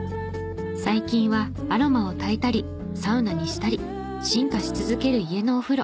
最近はアロマを炊いたりサウナにしたり進化し続ける家のお風呂。